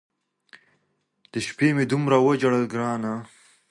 د شپې مي دومره وي ژړلي ګراني !